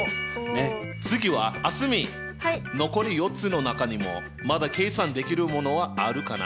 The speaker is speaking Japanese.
次は蒼澄残り４つの中にもまだ計算できるものはあるかな？